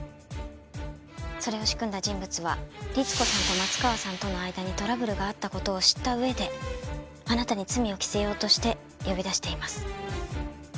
それを仕組んだ人物は律子さんと松川さんとの間にトラブルがあった事を知った上であなたに罪を着せようとして呼び出しています。